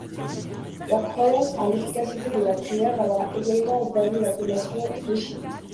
Leur croyance en l'efficacité de la prière leur a également valu l'appellation d'euchites.